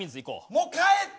もう帰って！